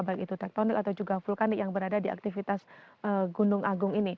baik itu tektonik atau juga vulkanik yang berada di aktivitas gunung agung ini